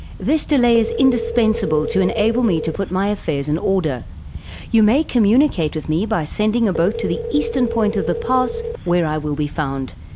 This delay is indispensable to enable me to put my affairs in order. You may communicate with me by sending a boat to the eastern point of the pass, where I will be found.